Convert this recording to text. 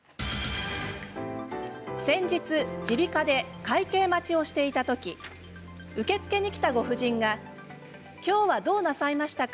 先日、耳鼻科で会計待ちをしていた時受付に来たご婦人が今日はどうなさいましたか？